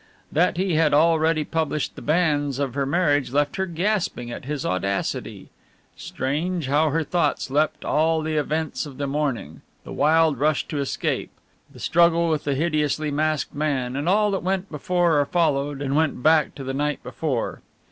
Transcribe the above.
That he had already published the banns of her marriage left her gasping at his audacity. Strange how her thoughts leapt all the events of the morning: the wild rush to escape, the struggle with the hideously masked man, and all that went before or followed, and went back to the night before.